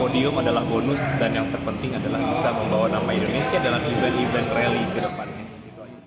podium adalah bonus dan yang terpenting adalah bisa membawa nama indonesia dalam event event rally ke depannya